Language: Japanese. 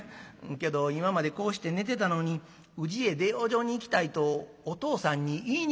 けど今までこうして寝てたのに宇治へ出養生に行きたいとお父さんに言いにくい」。